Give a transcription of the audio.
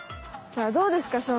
さあどうですか？